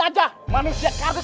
bajak aja bajak aja